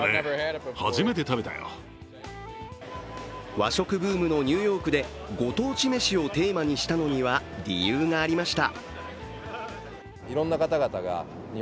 和食ブームのニューヨークでご当地メシをテーマにしたのには理由がありました。